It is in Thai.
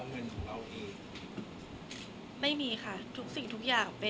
คนเราถ้าใช้ชีวิตมาจนถึงอายุขนาดนี้แล้วค่ะ